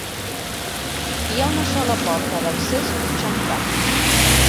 Hi ha una sola porta d'accés pel xamfrà.